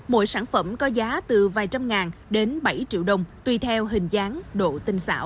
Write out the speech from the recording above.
mỗi sản phẩm có giá từ vài trăm ngàn đến bảy triệu đồng tùy theo hình dáng độ tinh xảo